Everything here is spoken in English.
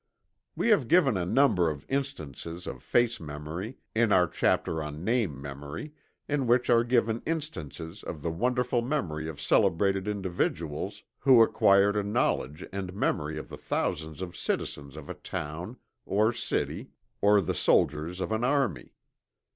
We have given a number of instances of face memory, in our chapter on name memory, in which are given instances of the wonderful memory of celebrated individuals who acquired a knowledge and memory of the thousands of citizens of a town, or city, or the soldiers of an army.